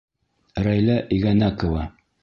Рәйлә ИГӘНӘКОВА.